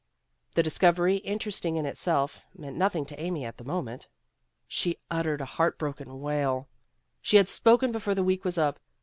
The discovery, interesting in itself, meant nothing to Amy at the moment. She uttered a heart broken wail. She had spoken before the week was up.